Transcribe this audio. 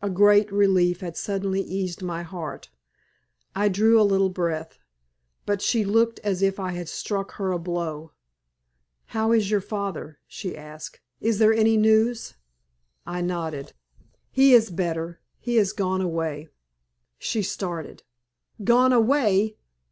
A great relief had suddenly eased my heart. I drew a little breath, but she looked as if I had struck her a blow. "How is your father?" she asked. "Is there any news?" I nodded. "He is better; he is gone away." She started. "Gone away?